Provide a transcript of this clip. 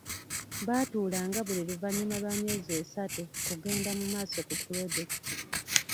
Baatuulanga buli luvannyuma lwa myezi esatu ku kugenda mu maaso ku pulojekiti.